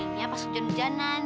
buinnya pas hujan hujanan